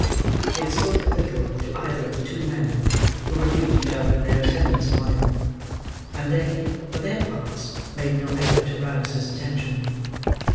He had spoken little to either of the two men, who relieved each other in their attendance upon him; and they, for their parts, made no effort to rouse his attention.